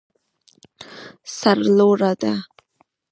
سر لوړه ده.